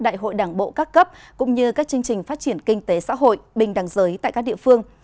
đại hội đảng bộ các cấp cũng như các chương trình phát triển kinh tế xã hội bình đẳng giới tại các địa phương